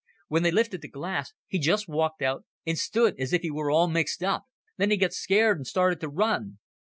When they lifted the glass, he just walked out and stood as if he were all mixed up. Then he got scared and started to run."